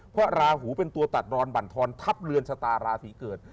เพราะราหูเป็นตัวตัดรอนบรรทอนทัพเรือนชะตาราศีเกิด